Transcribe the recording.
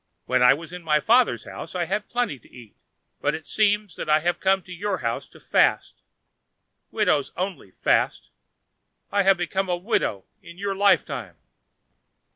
When I was in my father's house I had plenty to eat, but it seems that I have come to your house to fast. Widows only fast; I have become a widow in your life time."